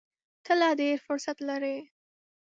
ته لا ډېر فرصت لرې !